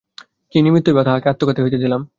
কি নিমিত্তই বা তাহাকে আত্মঘাতী হইতে দিলাম।